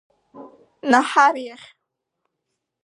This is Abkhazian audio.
Наҳар иахь.